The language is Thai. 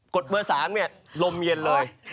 ดเบอร์๓ลมเย็นเลย